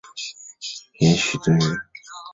严虞敦人。